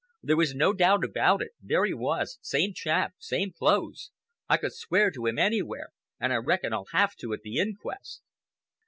There was no doubt about it. There he was—same chap, same clothes. I could swear to him anywhere, and I reckon I'll have to at the inquest."